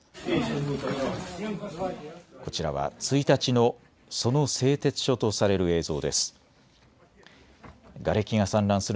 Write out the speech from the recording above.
こちらは１日の、その製鉄所とされる映像です。